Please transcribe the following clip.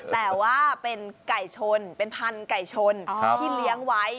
แต่ว่าเป็นไก่ชนเป็นพันธุ์ไก่ชนที่เลี้ยงไว้